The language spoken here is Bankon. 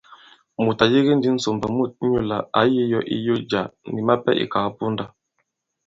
Mùt à yege ndī ŋsòmbà mût inyūlà ǎ yī yō iyo jǎ, nì mapɛ ìkàw di ponda.